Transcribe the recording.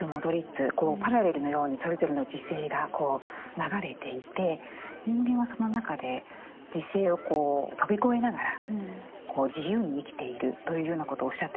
パラレルのようにそれぞれの時世が流れていて人間はその中で時世を飛び越えながら自由に生きているというようなことをおっしゃっているのかなと思いました。